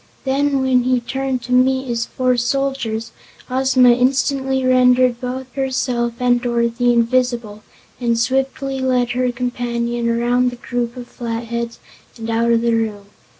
Then when he turned to meet his four soldiers, Ozma instantly rendered both herself and Dorothy invisible and swiftly led her companion around the group of Flatheads and out of the room.